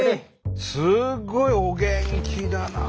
すごいお元気だなあ。